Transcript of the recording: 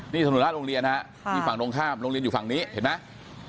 นี่ถนนหน้าโรงเรียนฮะนี่ฝั่งตรงข้ามโรงเรียนอยู่ฝั่งนี้เห็นไหม